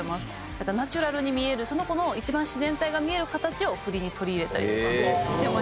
だからナチュラルに見えるその子の一番自然体が見える形を振りに取り入れたりとかしてましたね。